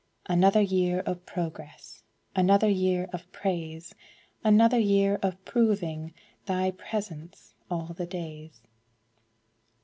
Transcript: Another year of progress, Another year of praise; Another year of proving Thy presence 'all the days.'